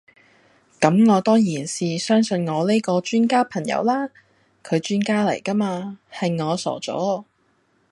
咁我當然是相信我呢個專家朋友啦，佢專家黎架嗎，係我傻左